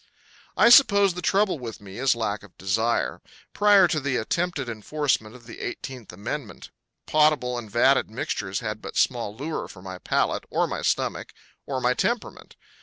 I suppose the trouble with me is lack of desire. Prior to the attempted enforcement of the Eighteenth Amendment potable and vatted mixtures had but small lure for my palate, or my stomach, or my temperament.